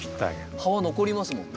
葉は残りますもんね。